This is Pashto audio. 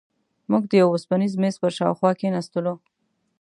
موږ د یوه اوسپنیز میز پر شاوخوا کېناستو.